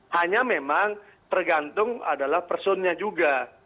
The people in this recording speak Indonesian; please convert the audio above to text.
hanya memang tergantung adalah personnya juga